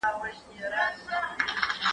کار وکړه؟!